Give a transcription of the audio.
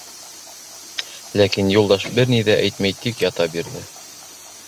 Ләкин Юлдаш бер ни ҙә әйтмәй тик ята бирҙе.